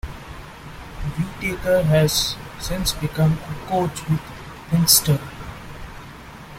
Whitaker has since become a coach with Leinster.